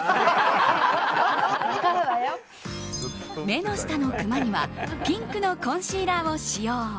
目の下のクマにはピンクのコンシーラーを使用。